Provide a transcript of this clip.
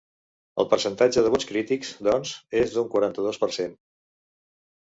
El percentatge de vots crítics, doncs, és d’un quaranta-dos per cent.